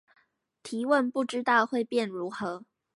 提問不知道會變如何